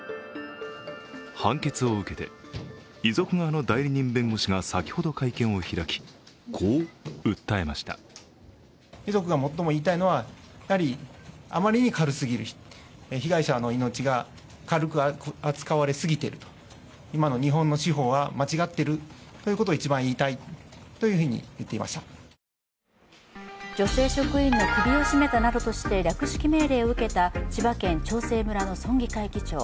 判決を受けて、遺族側の代理人弁護士が先ほど会見を開き、こう訴えました女性職員の首を絞めたなどとして略式命令を受けた千葉県長生村の村議会議長。